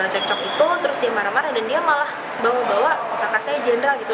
akhirnya mulai cekcok dia marah marah dan dia malah membawa bawa kakak saya jenderal